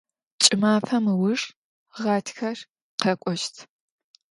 Ç'ımafem ıujj ğatxer khek'oşt.